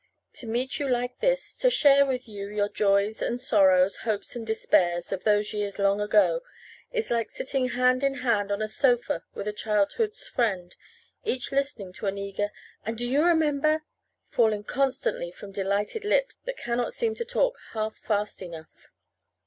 To meet you like this, to share with you your joys and sorrows, hopes and despairs, of those years long ago, is like sitting hand in hand on a sofa with a childhood's friend, each listening to an eager "And do you remember?" falling constantly from delighted lips that cannot seem to talk half fast enough.